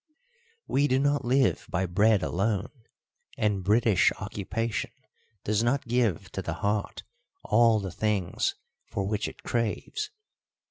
We do not live by bread alone, and British occupation does not give to the heart all the things for which it craves.